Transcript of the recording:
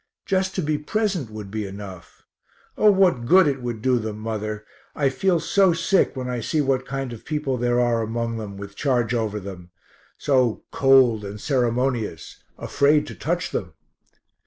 Just to be present would be enough O what good it would do them. Mother, I feel so sick when I see what kind of people there are among them, with charge over them so cold and ceremonious, afraid to touch them.